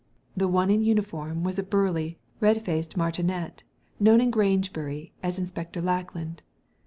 The one in uniform was a burly, red faced martinet known in Grangebury as Inspector Lack land.